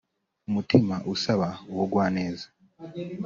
Umutima usaba ubugwa-neza